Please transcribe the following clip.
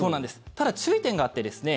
ただ、注意点があってですね